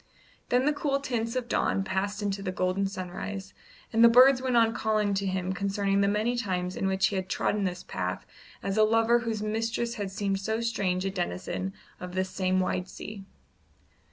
Then the cool tints of dawn passed into the golden sunrise, and the birds went on calling to him concerning the many times in which he had trodden this path as a lover whose mistress had seemed so strange a denizen of this same wide sea.